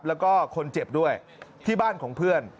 แล้วก็คนเจ็บด้วยที่บ้านของเพื่อน